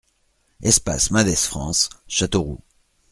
Espace Mendes France, Châteauroux